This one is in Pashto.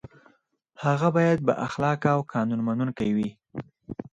هغه باید با اخلاقه او قانون منونکی وي.